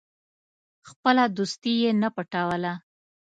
خپله دوستي یې نه پټوله.